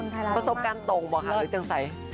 ประสบการณ์ตรงบอกค่ะหรือเจ้าใส่